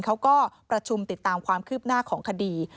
เขาก็ประชุมติดตามความคืบหน้าของคดี